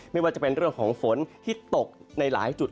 ไม่ว่าจะเป็นเรื่องของฝนที่ตกในหลายจุด